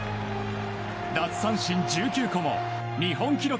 奪三振１９個も日本記録